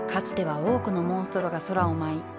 つては多くのモンストロが空を舞い